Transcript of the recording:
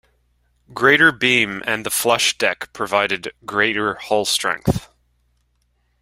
Greater beam and the flush deck provided greater hull strength.